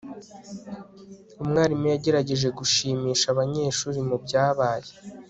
umwarimu yagerageje gushimisha abanyeshuri mubyabaye